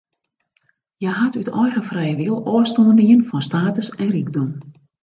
Hja hat út eigen frije wil ôfstân dien fan status en rykdom.